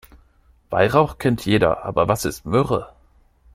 Weihrauch kennt jeder, aber was ist Myrrhe?